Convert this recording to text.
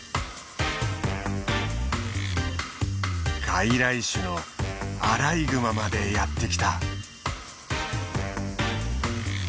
外来種のアライグマまでやって来た。